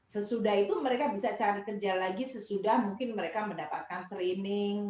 sesudah itu mereka bisa cari kerja lagi sesudah mungkin mereka mendapatkan training